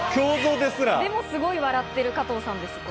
でも、すごい笑ってる加藤さんです。